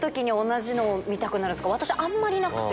私あんまりなくて。